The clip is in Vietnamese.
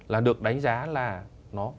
là được đánh giá là nó